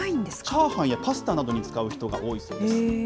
チャーハンやパスタなどに使う人が多いそうです。